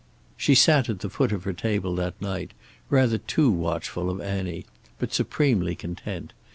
She sat at the foot of her table that night, rather too watchful of Annie, but supremely content.